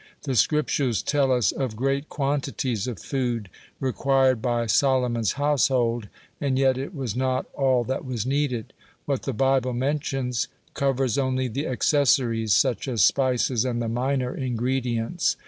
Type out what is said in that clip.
The Scriptures tell us of great quantities of food required by Solomon's household, and yet it was not all that was needed. What the Bible mentions, covers only the accessories, such as spices and the minor ingredients.